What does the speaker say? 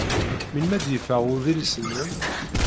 Melmi ay d-yeffeɣ udlis-nnem?